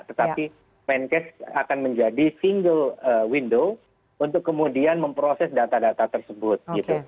tetapi menkes akan menjadi single window untuk kemudian memproses data data tersebut